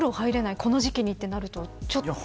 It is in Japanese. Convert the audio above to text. この時期になると、ちょっと。